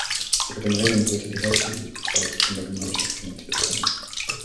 Laut den Regeln sollte die Hälfte dieses Betrags von der Gemeinschaft finanziert werden.